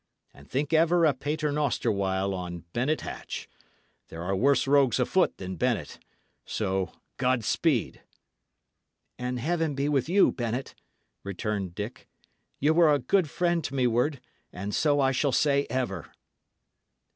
And think ever a pater noster while on Bennet Hatch. There are worse rogues afoot than Bennet. So, God speed!" "And Heaven be with you, Bennet!" returned Dick. "Ye were a good friend to me ward, and so I shall say ever."